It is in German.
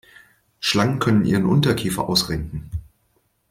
Schlangen können ihren Unterkiefer ausrenken.